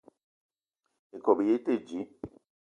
Ikob í yé í te dji.